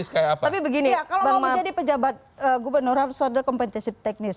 kalau mau menjadi pejabat gubernur harus ada kompetisi teknis